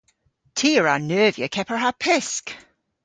Ty a wra neuvya kepar ha pysk!